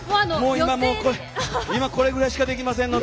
今、もうこれぐらいしかできませんので。